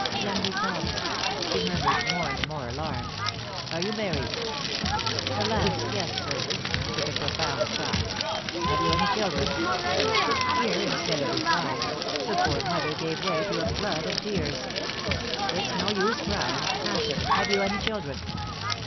"Jeanne Duport," she murmured, more and more alarmed. "Are you married?" "Alas, yes, sir!" with a profound sigh. "Have you any children?" Here, instead of replying, the poor mother gave way to a flood of tears. "It is no use crying, answer! Have you any children?"